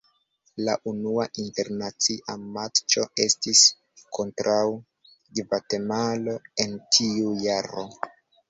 La unua internacia matĉo estis kontraŭ Gvatemalo en tiu jaro.